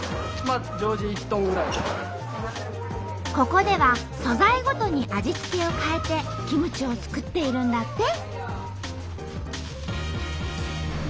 ここでは素材ごとに味付けを変えてキムチを作っているんだって。